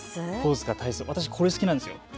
私、これが好きなんです。